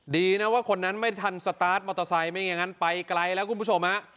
ดีนะว่าคนนั้นไม่ทันสตาร์ทอาหารไม่งานไปไกลแล้วคุณผู้ชม